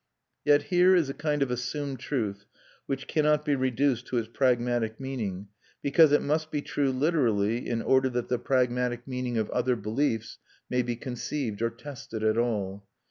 Yet here is a kind of assumed truth which cannot be reduced to its pragmatic meaning, because it must be true literally in order that the pragmatic meaning of other beliefs may be conceived or tested at all.